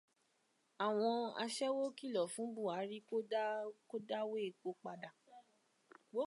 Àwọn aṣẹ́wó kílọ̀ fún Bùhárí kó dá'wó epo padà.